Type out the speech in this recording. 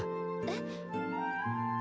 えっ？